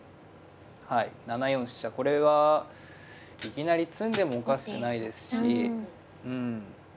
はい７四飛車これはいきなり詰んでもおかしくないですし。